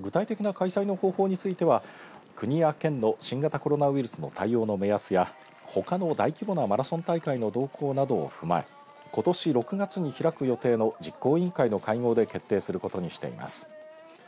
具体的な開催の方法については国や県の新型コロナウイルスの対応の目安やほかの大規模なマラソン大会の動向などを踏まえことし６月に開く予定の実行委員会の会合で決定することにしています。